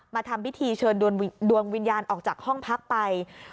ทำพิธีเชิญดวงวิญญาณออกจากห้องพักไป